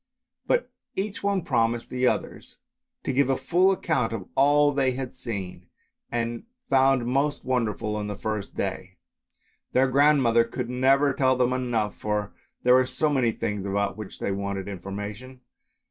But each one promised the others to give a full account of all that she had seen, and found most wonderful on the first day. Their grandmother could never tell them enough, for there were so many things about which they wanted information.